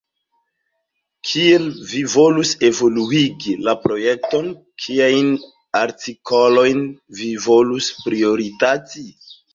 Kiel vi volus evoluigi la projekton, kiajn artikolojn vi volus prioritati?